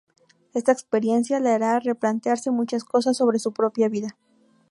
Esta experiencia le hará replantearse muchas cosas sobre su propia vida.